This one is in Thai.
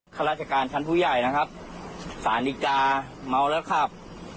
ข้าราชการชั้นผู้ใหญ่นะครับสารดีกาเมาแล้วขับ